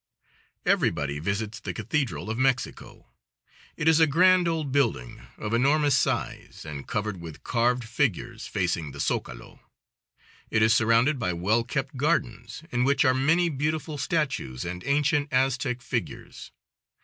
Everybody visits the cathedral of Mexico. It is a grand old building, of enormous size, and covered with carved figures, facing the zocalo. It is surrounded by well kept gardens, in which are many beautiful statues and ancient Aztec figures.